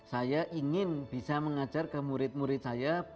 saya ingin bisa mengajar ke murid murid saya